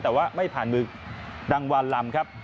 แต่ว่าไม่ผ่านมือดังวานลำครับ